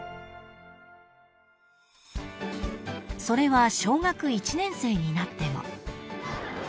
［それは小学１年生になっても］